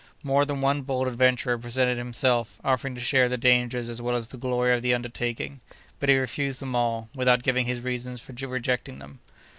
More than one bold adventurer presented himself, offering to share the dangers as well as the glory of the undertaking; but he refused them all, without giving his reasons for rejecting them.